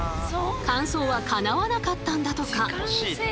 完走はかなわなかったんだとか。